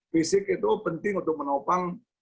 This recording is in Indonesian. fisik itu penting untuk menopang